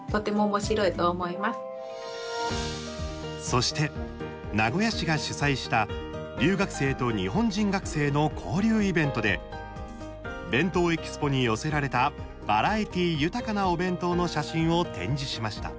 そして、名古屋市が主催した留学生と日本人学生の交流イベントで「ＢＥＮＴＯＥＸＰＯ」に寄せられたバラエティー豊かなお弁当の写真を展示しました。